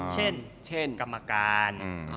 เช่นกรรมการ